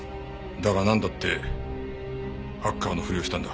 だがなんだってハッカーのふりをしたんだ？